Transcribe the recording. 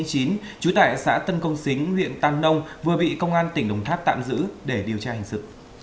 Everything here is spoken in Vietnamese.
trú tại xã tân công xính huyện tam nông vừa bị công an tỉnh đồng tháp tạm giữ để điều tra hành sự